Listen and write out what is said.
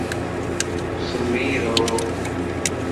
سمي رو